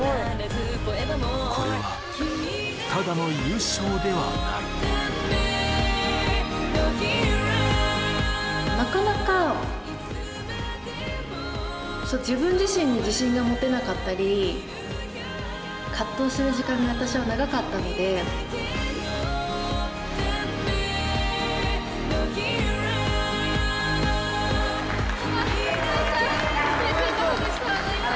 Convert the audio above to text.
これはただの優勝ではないなかなか自分自身に自信が持てなかったり葛藤する時間が私は長かったのでやばい